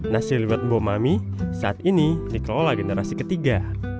nasi liwet mbok mami saat ini dikelola generasi ketiga